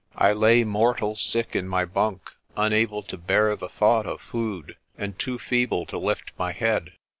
I lay mortal sick in my bunk, unable to bear the thought of food, and too feeble to lift my head.